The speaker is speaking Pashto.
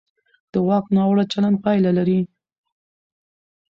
د واک ناوړه چلند پایله لري